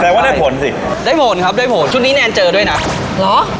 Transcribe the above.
ว่าได้ผลสิได้ผลครับได้ผลชุดนี้แนนเจอด้วยนะเหรอ